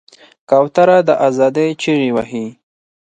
کوتره د آزادۍ چیغې وهي.